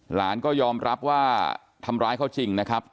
หลานก็ยอมรับว่าทำร้ายเขาจริงนะครับ